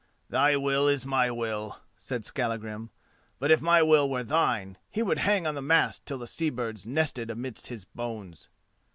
"Thy will is my will," said Skallagrim; "but if my will were thine, he would hang on the mast till sea birds nested amidst his bones."